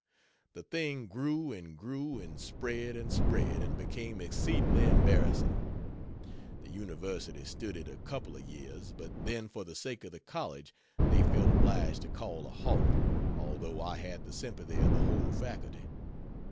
The thing grew and grew and spread and spread and became exceedingly embarrassing. The University stood it a couple of years; but then for the sake of the college they felt obliged to call a halt, although I had the sympathy of the whole faculty.